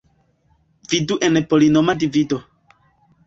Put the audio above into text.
Vidu en polinoma divido.